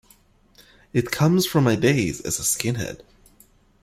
It comes from my days as a skinhead.